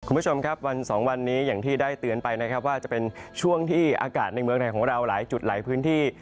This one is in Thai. คุณผู้ชมครับวันสองวันนี้อย่างที่ได้เตือนไปนะครับว่าจะเป็นช่วงที่อากาศในเมืองไทยของเราหลายจุดหลายพื้นที่